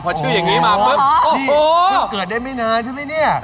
พอชื่ออย่างนี้มาเมื่อพี่เกิดได้ไม่นานใช่มั้ยเนี่ย